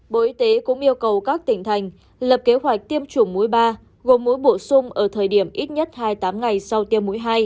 bộ y tế cũng yêu cầu các tỉnh thành lập kế hoạch tiêm chủng mũi ba gồm mũi bổ sung ở thời điểm ít nhất hai mươi tám ngày sau tiêm mũi hai